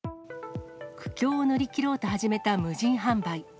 苦境を乗り切ろうと始めた無人販売。